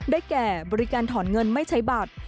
แก่บริการถอนเงินไม่ใช้บัตร